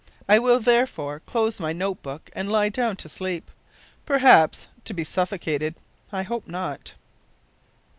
I will, therefore, close my note book and lie down to sleep perhaps to be suffocated! I hope not!"